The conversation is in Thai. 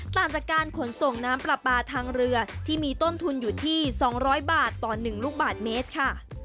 ต่างจากการขนส่งน้ำปลาปลาทางเรือที่มีต้นทุนอยู่ที่๒๐๐บาทต่อ๑ลูกบาทเมตรค่ะ